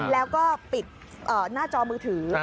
แล้วก็ปิดหน้าจอมือถือ